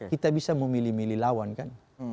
kita bisa memilih milih lawan kan